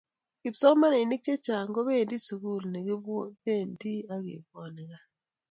kipsomaninik chechang kopente sukulit nekipentei ak kekwonekaa